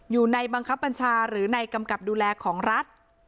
อยู่ในบังคับบัญชาหรือในกำกับดูแลของรัฐ